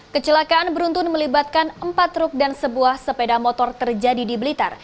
kecelakaan beruntun melibatkan empat truk dan sebuah sepeda motor terjadi di blitar